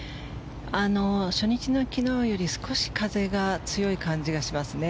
初日の昨日より少し風が強い感じがしますね。